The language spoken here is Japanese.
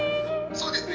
そうですね。